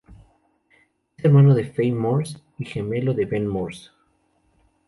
Es hermano de Fay Murs y gemelo de Ben Murs.